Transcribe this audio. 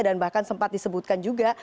dan bahkan sempat disebutkan juga